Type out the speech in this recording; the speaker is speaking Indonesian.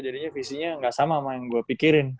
jadinya visinya gak sama sama yang gue pikirin